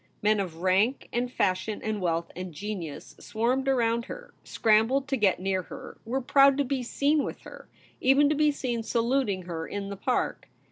Men of rank and fashion and wealth and genius swarmed around her, scrambled to get near her, were proud to be seen with her — even to be seen saluting her in the Park.